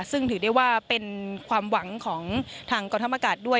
ซึ่งถือได้ว่าเป็นความหวังของทางกองทัพอากาศด้วย